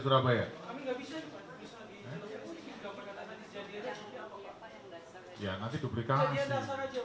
karena kemungkinan makhluk makhluk sekarang